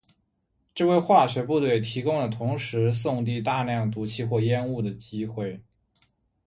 这为化学部队提供了同时送递大量毒气或烟雾的机会。